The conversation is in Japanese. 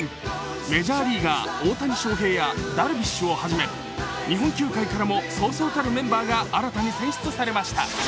メジャーリーガー・大谷翔平やダルビッシュをはじめ日本球界からもそうそうたるメンバーが新たに選出されました。